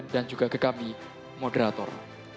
dan juga ke kami moderator